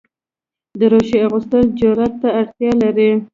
دریشي اغوستل جرئت ته اړتیا لري.